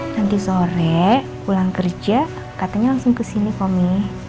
nanti sore pulang kerja katanya langsung kesini komi